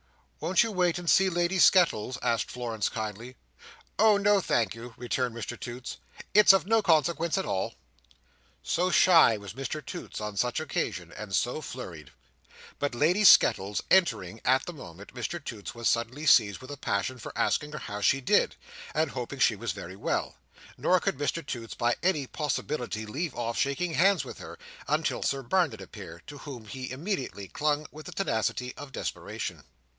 "Won't you wait and see Lady Skettles?" asked Florence, kindly. "Oh no, thank you," returned Mr Toots, "it's of no consequence at all." So shy was Mr Toots on such occasions, and so flurried! But Lady Skettles entering at the moment, Mr Toots was suddenly seized with a passion for asking her how she did, and hoping she was very well; nor could Mr Toots by any possibility leave off shaking hands with her, until Sir Barnet appeared: to whom he immediately clung with the tenacity of desperation.